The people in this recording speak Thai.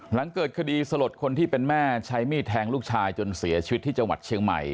หลังเกิดคดีสลดคนที่เป็นแม่ใช้มีดแทงลูกชายจนเสียชีวิตที่จังหวัดเชียงใหม่